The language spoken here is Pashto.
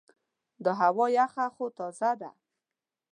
دا هوا یخه خو تازه ده.